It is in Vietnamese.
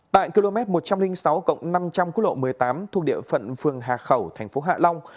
tại km một trăm linh sáu năm trăm linh quốc lộ một mươi tám thuộc địa phận phường hà khẩu thành phố hạ long